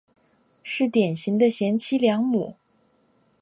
是典型的贤妻良母。